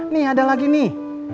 nih ada lagi nih